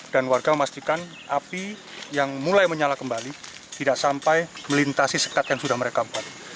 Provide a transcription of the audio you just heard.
dan warga memastikan api yang mulai menyala kembali tidak sampai melintasi sekat yang sudah mereka buat